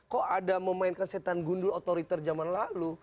kok ada memainkan setan gundul otoriter zaman lalu